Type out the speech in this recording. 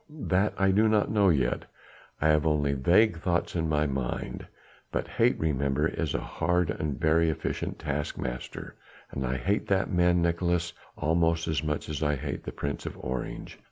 "That I do not know yet; I have only vague thoughts in my mind. But hate, remember, is a hard and very efficient task master, and I hate that man, Nicolaes, almost as much as I hate the Prince of Orange.